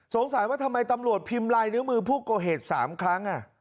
สงสัยว่าทำไมตำรวจพิมพ์ลายนิ้วมือผู้ก่อเหตุ๓ครั้ง